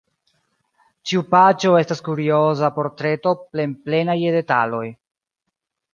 Ĉiu paĝo estas kurioza portreto plenplena je detaloj.